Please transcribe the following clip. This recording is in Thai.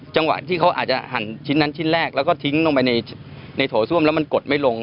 จังหวะที่เขาอาจจะหั่นชิ้นนั้นชิ้นแรกแล้วก็ทิ้งลงไปในโถส้วมแล้วมันกดไม่ลง